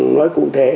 nói cụ thể